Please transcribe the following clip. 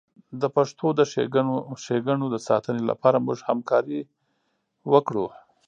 د پښتو د ښیګڼو د ساتنې لپاره موږ همکاري وکړو.